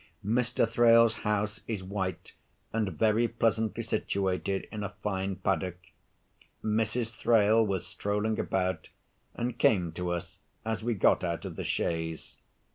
Mr. Thrale's house is white, and very pleasantly situated in a fine paddock. Mrs. Thrale was strolling about, and came to us as we got out of the chaise.